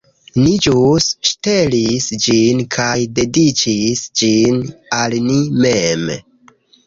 Ni ĵus ŝtelis ĝin kaj dediĉis ĝin al ni mem